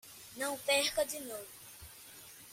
Não perca de novo